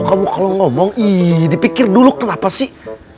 kamu kalau ngomong ih dipikir dulu kenapa sih